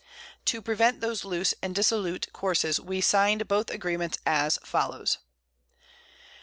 To prevent those loose and dissolute Courses, we sign'd both Agreements as follows.